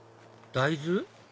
大豆？